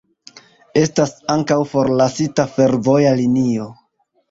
Estas ankaŭ forlasita fervoja linio.